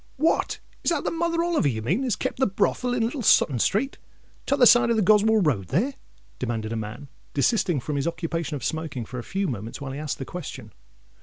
"What—is that the Mother Oliver you mean, as kept the brothel in Little Sutton Street, t'other side of the Goswell Road there?" demanded a man, desisting from his occupation of smoking, for a few moments, while he asked the question.